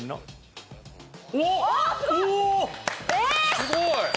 すごい！